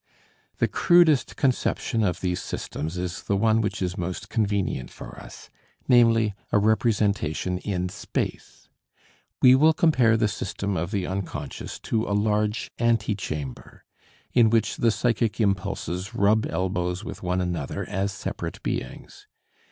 The crudest conception of these systems is the one which is most convenient for us, namely, a representation in space. We will compare the system of the unconscious to a large ante chamber, in which the psychic impulses rub elbows with one another, as separate beings.